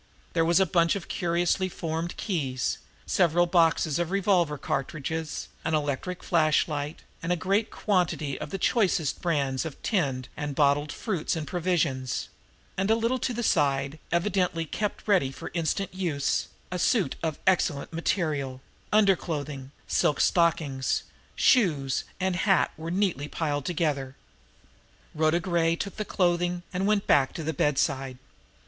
There was a bunch of curiously formed keys, several boxes of revolver cartridges, an electric flashlight, and a great quantity of the choicest brands of tinned and bottled fruits and provisions and a little to one side, evidently kept ready for instant use, a suit of excellent material, underclothing, silk stockings shoes and hat were neatly piled together. Rhoda Gray took the clothing, and went back to the bedside.